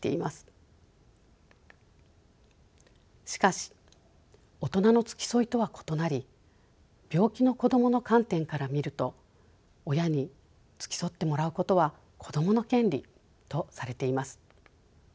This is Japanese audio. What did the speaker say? しかし大人の付き添いとは異なり病気の子どもの観点から見ると親に付き添ってもらうことは子どもの権利とされています。